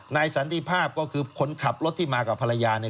สันติภาพก็คือคนขับรถที่มากับภรรยาเนี่ย